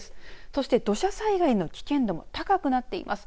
そして土砂災害の危険度も高くなっています。